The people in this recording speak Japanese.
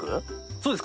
そうです。